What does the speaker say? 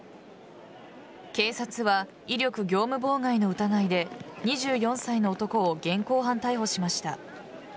警察は威力業務妨害の疑いで２４歳の男を現行犯逮捕しました。